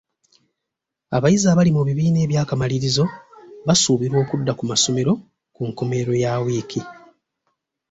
Abayizi abali mu bibiina eby'akamalirizo basuubirwa okudda ku masomero ku nkomerero ya wiiki.